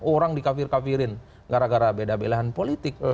orang dikafir kafirin gara gara beda belahan politik